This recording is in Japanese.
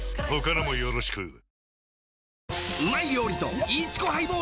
他のもよろしく